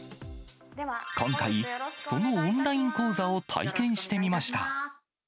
今回、そのオンライン講座を体験してみました。